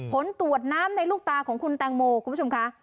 ผลตรวจน้ำในลูกตาของคุณแตงโมคุณผู้ชมค่ะ